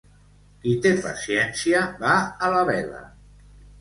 Qui té paciència va a la vela.